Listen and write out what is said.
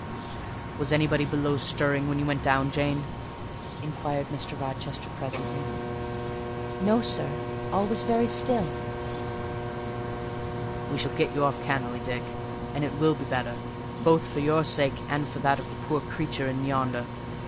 "Was anybody stirring below when you went down, Jane?" inquired Mr. Rochester presently. "No, sir; all was very still." "We shall get you off cannily, Dick: and it will be better, both for your sake, and for that of the poor creature in yonder.